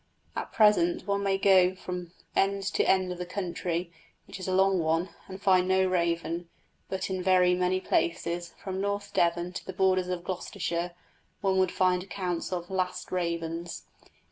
At present one may go from end to end of the county, which is a long one, and find no raven; but in very many places, from North Devon to the borders of Gloucestershire, one would find accounts of "last ravens."